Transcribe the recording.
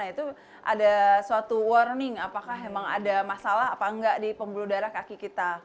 itu ada suatu warning apakah memang ada masalah apa enggak di pembuluh darah kaki kita